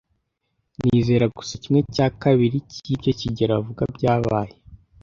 Nizera gusa kimwe cya kabiri cyibyo kigeli avuga byabaye.